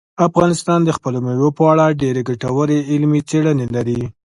افغانستان د خپلو مېوو په اړه ډېرې ګټورې علمي څېړنې لري.